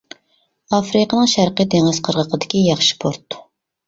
ئافرىقىنىڭ شەرقىي دېڭىز قىرغىقىدىكى ياخشى پورت.